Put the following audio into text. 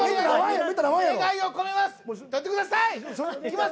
願いを込めます！